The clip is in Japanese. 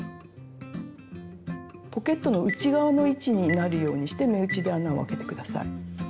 ポケットの内側の位置になるようにして目打ちで穴を開けて下さい。